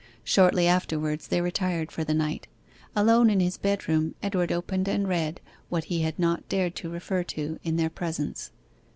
Shortly afterwards they retired for the night. Alone in his bedroom Edward opened and read what he had not dared to refer to in their presence.